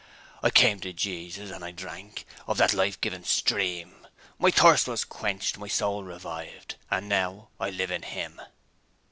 I came to Jesus and I drank Of that life giving stream, My thirst was quenched, My soul revived, And now I live in Him.'